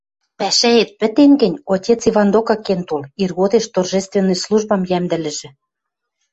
— Пӓшӓэт пӹтен гӹнь, отец Иван докы кен тол: иргодеш торжественный службам йӓмдӹлӹжӹ.